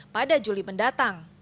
pada juli mendatang